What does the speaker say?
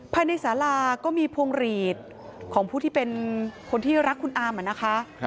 ภายในสาราก็มีพวงหลีดของผู้ที่เป็นคนที่รักคุณอามนะคะ